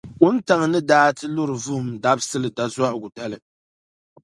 Wuntaŋ’ ni daa ti lura Vuhim Dabisili dazɔhigu dali.